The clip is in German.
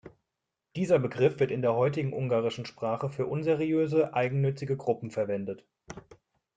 Dieser Begriff wird in der heutigen ungarischen Sprache für unseriöse, eigennützige Gruppen verwendet.